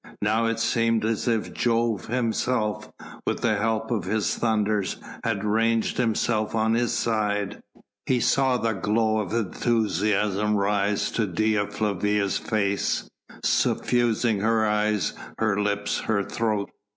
Now it seemed as if Jove himself, with the help of his thunders, had ranged himself on his side. He saw the glow of enthusiasm rise to Dea Flavia's face, suffusing her eyes, her lips, her throat.